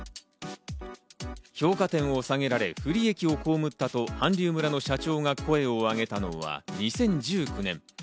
評価点を下げられ、不利益を被ったと韓流村の社長が声を上げたのは２０１９年。